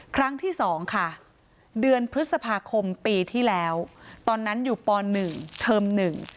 ครั้งที่สองค่ะเดือนพฤษภาคมปีที่แล้วตอนนั้นอยู่ป๑เทอมหนึ่ง